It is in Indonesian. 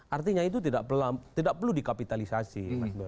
artinya itu tidak perlu dikapitalisasi